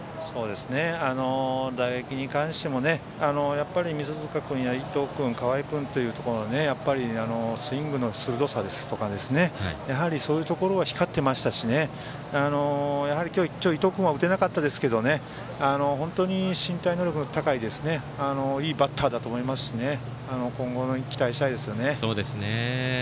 打撃に関しても三塚君や伊藤君や河合君というところがスイングの鋭さですとかそういうところが光ってましたし今日、伊藤君は打てなかったですが本当に身体能力の高いいいバッターだと思いますし今後に期待したいですよね。